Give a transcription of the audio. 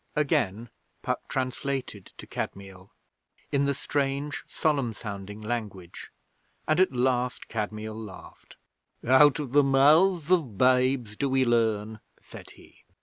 Again Puck translated to Kadmiel in the strange, solemn sounding language, and at last Kadmiel laughed. 'Out of the mouths of babes do we learn,' said he.